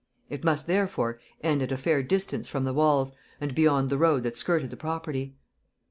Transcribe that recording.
It must, therefore, end at a fair distance from the walls and beyond the road that skirted the property.